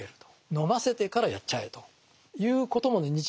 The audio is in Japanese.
飲ませてからやっちゃえということもね